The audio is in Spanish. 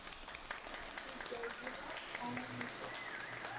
C. Jay Williams o Mrs.